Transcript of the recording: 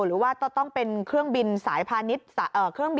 หรือว่าต้องเป็นเครื่องบินพานิดสายอื่น